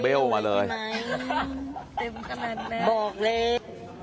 เต็มขนาดนั้นบอกเลย